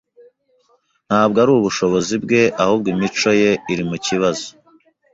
Ntabwo ari ubushobozi bwe, ahubwo imico ye iri mukibazo.